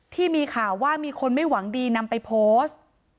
ที่มีข่าวว่ามีคนไม่หวังดีนำไปโพสต์